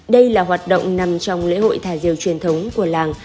đây là hoạt động nằm trong lễ hội thả diều truyền thống của làng